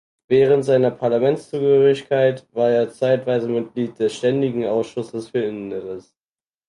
Während seiner Parlamentszugehörigkeit war er zeitweise Mitglied des Ständigen Ausschusses für Inneres.